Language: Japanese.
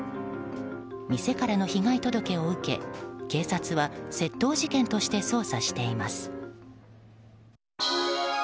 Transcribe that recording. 店からの被害届を受け、警察は窃盗事件として捜査しています。